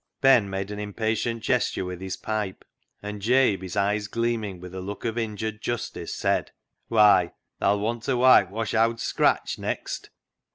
Ben made an impatient gesture with his pipe, and Jabe, his eyes gleaming with a look of injured justice, said —" Why, tha'll want ta whitewesh owd Scratch next."